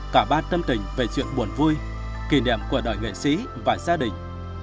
cả ba tâm tình về chuyện buồn vui kỷ niệm của đời nghệ sĩ và gia đình